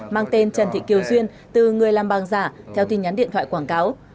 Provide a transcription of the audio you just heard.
mang tên trần thị kiều duyên từ người làm băng giả theo tin nhắn điện thoại quảng cáo